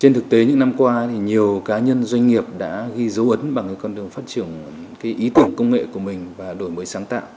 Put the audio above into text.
trên thực tế những năm qua thì nhiều cá nhân doanh nghiệp đã ghi dấu ấn bằng con đường phát triển ý tưởng công nghệ của mình và đổi mới sáng tạo